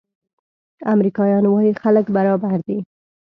امریکایان وايي خلک برابر دي.